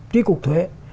trí cục thuế